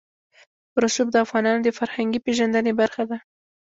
رسوب د افغانانو د فرهنګي پیژندنې برخه ده.